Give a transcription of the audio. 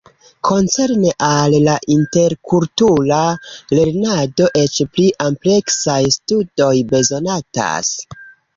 Koncerne al la interkultura lernado eĉ pli ampleksaj studoj bezonatas.